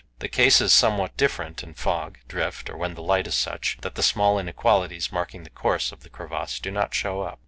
The case is somewhat different in fog, drift, or when the light is such that the small inequalities marking the course of the crevasse do not show up.